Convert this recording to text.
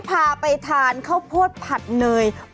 พาไปทานข้าวโพดผัดเนย